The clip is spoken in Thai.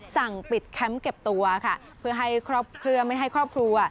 สั่งปิดแคมป์เก็บตัวค่ะเพื่อให้ครอบครัวไม่ให้ครอบครัว